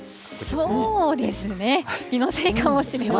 そうですね。